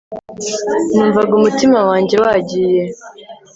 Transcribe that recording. numvaga umutima wanjye wagiye